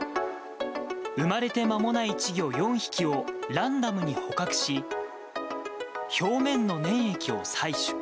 産まれて間もない稚魚４匹を、ランダムに捕獲し、表面の粘液を採取。